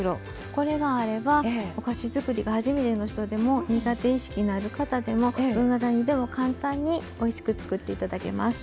これがあればお菓子づくりが初めての人でも苦手意識のある方でもどなたにでも簡単においしくつくって頂けます。